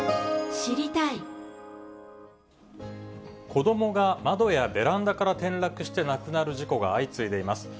子どもが窓やベランダから転落して亡くなる事故が相次いでいます。